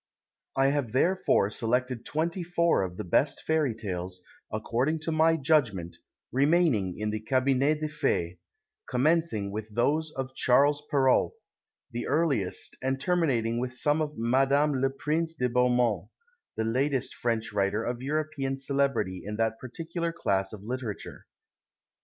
I have therefore selected twenty four of the best Fairy Tales, according to my judgment, remaining in the Cabinet des Fées, commencing with those of Charles Perrault, the earliest, and terminating with some of Madame Leprince de Beaumont, the latest French writer of European celebrity in that particular class of literature.